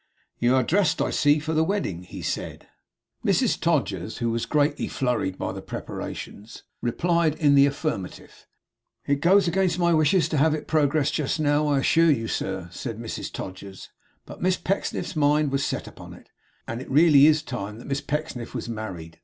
'You are dressed, I see, for the wedding,' he said. Mrs Todgers, who was greatly flurried by the preparations, replied in the affirmative. 'It goes against my wishes to have it in progress just now, I assure you, sir,' said Mrs Todgers; 'but Miss Pecksniff's mind was set upon it, and it really is time that Miss Pecksniff was married.